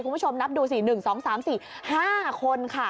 คุณผู้ชมนับดูสิ๑๒๓๔๕คนค่ะ